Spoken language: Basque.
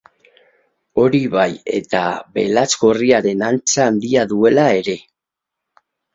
Hori bai eta belatz gorriaren antza handia duela ere.